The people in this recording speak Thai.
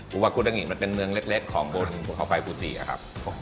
วากุฎหินมันเป็นเมืองเล็กของบนภูเขาไฟภูจิอะครับ